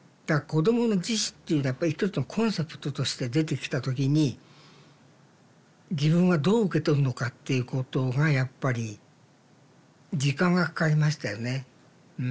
子供の自死っていうやっぱり一つのコンセプトとして出てきた時に自分はどう受け取るのかっていうことがやっぱり時間がかかりましたよね。